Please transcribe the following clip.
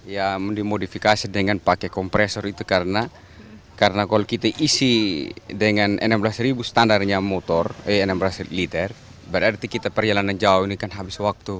ya dimodifikasi dengan pakai kompresor itu karena kalau kita isi dengan enam belas standarnya motor eh enam belas liter berarti kita perjalanan jauh ini kan habis waktu